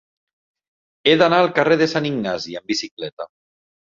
He d'anar al carrer de Sant Ignasi amb bicicleta.